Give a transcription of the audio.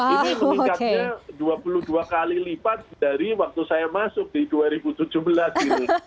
ini meningkatnya dua puluh dua kali lipat dari waktu saya masuk di dua ribu tujuh belas gitu